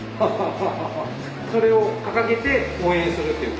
それを掲げて応援するっていうか。